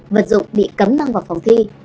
vật dụng bị cấm năng vào phòng thi